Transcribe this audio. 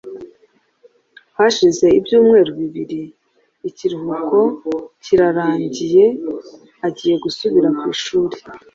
Hashize ibyumweru bibiri, ikiruhuko kirarangiye, agiye gusubira ku ishuri,